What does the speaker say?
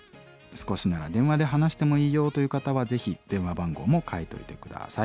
少しなら電話で話してもいいよという方はぜひ電話番号も書いておいて下さい。